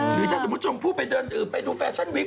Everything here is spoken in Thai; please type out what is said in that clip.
หรือถ้าสมมุติชมพู่ไปเดินอื่นไปดูแฟชั่นวิก